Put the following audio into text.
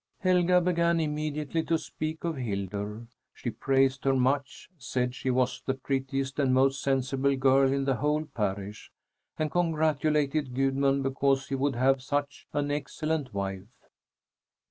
Helga began immediately to speak of Hildur. She praised her much: said she was the prettiest and most sensible girl in the whole parish, and congratulated Gudmund because he would have such an excellent wife.